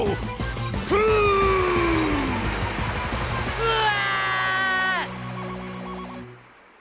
うわ！